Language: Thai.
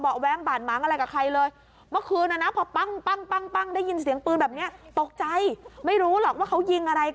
เบาะแว้งบาดมังอะไรกับใครเลย